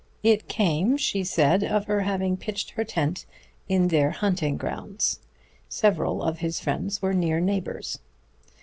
It came, she said, of her having pitched her tent in their hunting grounds; several of his friends were near neighbors.